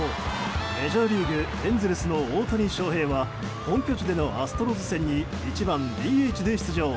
メジャーリーグ、エンゼルスの大谷翔平は本拠地でのアストロズ戦に１番ＤＨで出場。